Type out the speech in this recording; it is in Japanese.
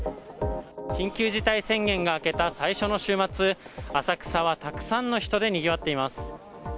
緊急事態宣言が明けた最初の週末、浅草はたくさんの人でにぎわっています。